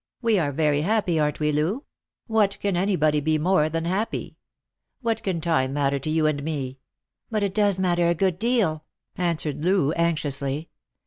" We are very happy, aren't we, Loo ? What can anybody be more than happy ? What can time matter to you and me P "" But it does matter a good deal," answered Loo anxiously.